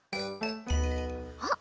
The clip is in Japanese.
あっ！